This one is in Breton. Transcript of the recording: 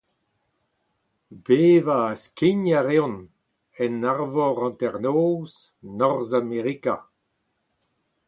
Bevañ a-skign a reont en arvor hanternoz Norzhamerika.